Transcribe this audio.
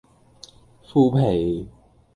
負皮